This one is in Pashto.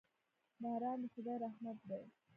باران د خدای رحمت دی.